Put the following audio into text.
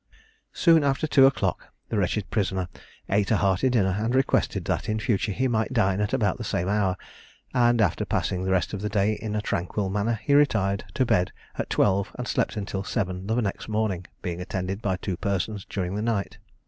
Soon after two o'clock the wretched prisoner ate a hearty dinner, and requested that in future he might dine at about the same hour; and after passing the rest of the day in a tranquil manner, he retired to bed at twelve, and slept until seven the next morning, being attended by two persons during the night.